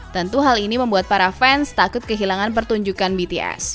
tentu hal ini membuat para fans takut kehilangan pertunjukan bts